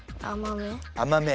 甘め。